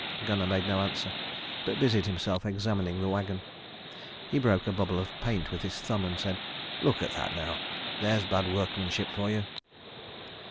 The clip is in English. Gunnar made no answer, but busied himself examining the wagon. He broke a bubble of paint with his thumb, and said, "Look at that now. There's bad workmanship for you."